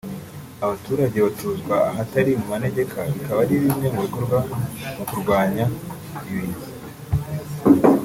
abaturage batuzwa ahatari mu manegeka bikaba ari bimwe mu bikorwa mu kurwanya ibiza